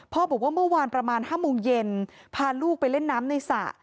บอกว่าเมื่อวานประมาณ๕โมงเย็นพาลูกไปเล่นน้ำในสระ